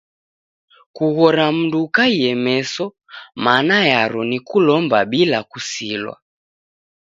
Kughora mndu ukaie meso mana yaro ni kulomba bila kusilwa.